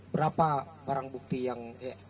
berapa barang bukti yang